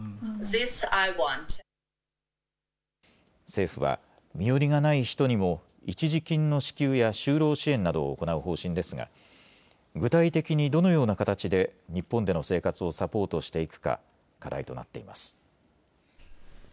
政府は、身寄りがない人にも一時金の支給や就労支援などを行う方針ですが、具体的にどのような形で日本での生活をサポートしていくか、課題となっています。